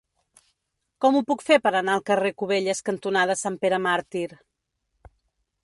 Com ho puc fer per anar al carrer Cubelles cantonada Sant Pere Màrtir?